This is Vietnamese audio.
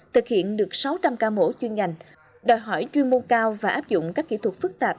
thực hiện được sáu trăm linh ca mổ chuyên ngành đòi hỏi chuyên môn cao và áp dụng các kỹ thuật phức tạp